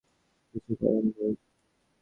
কিছু করার নেই।